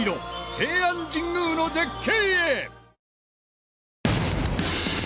平安神宮の絶景へ。